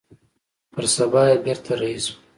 پر سبا يې بېرته رهي سوم.